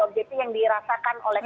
objekti yang dirasakan oleh